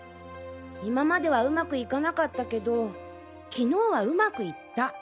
今までは上手くいかなかったけど昨日は上手くいった。